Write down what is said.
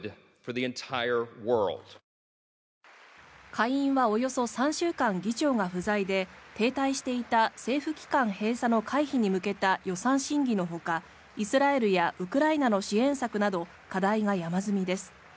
下院はおよそ３週間議長が不在で停滞していた政府機関閉鎖の回避に向けた予算審議のほかイスラエルやウクライナの支援策など課題が山積みです。